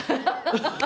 ハハハハ！